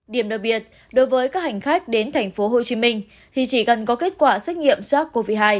điểm đặc biệt đối với các hành khách đến tp hcm thì chỉ cần có kết quả xét nghiệm sars cov hai